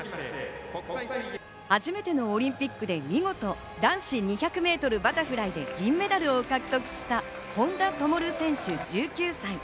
初めてのオリンピックで見事、男子２００ｍバタフライで銀メダルを獲得した本多灯選手１９歳。